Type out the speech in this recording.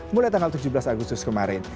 mulai tanggal tujuh belas maret ini